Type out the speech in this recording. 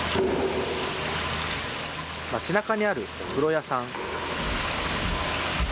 街なかにあるお風呂屋さん。